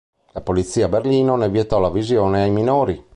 La polizia a Berlino ne vietò la visione ai minori.